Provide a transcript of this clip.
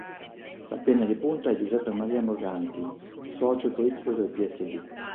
La penna di punta è Giuseppe Maria Morganti socio e politico del Psd.